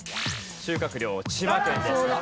収穫量千葉県です。